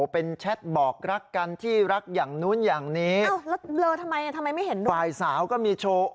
เป็นแชตบอกสุขกับรักกันที่รักอย่างนู้นอย่างนี้